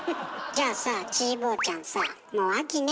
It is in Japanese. じゃあさちーぼぉちゃんさもう秋ね。